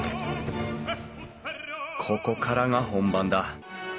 ここからが本番だ。